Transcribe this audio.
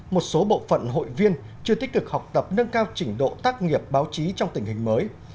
một số bộ phận hội viên chưa tích cực học tập nâng cao trình độ tác nghiệp báo chí trong tình hình mới